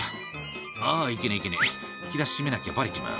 「あいけねえいけねえ引き出し閉めなきゃバレちまう」